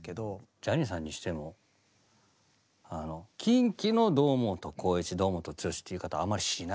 ジャニーさんにしてもあのＫｉｎＫｉの堂本光一堂本剛って言い方あまりしない。